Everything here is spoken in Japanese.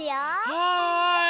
はい。